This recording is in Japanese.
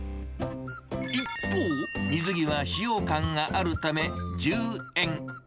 一方、水着は使用感があるため、１０円。